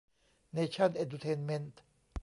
เนชั่น เอ็ดดูเทนเมนท์